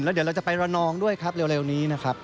เดี๋ยวเราจะไประนองด้วยครับเร็วนี้นะครับ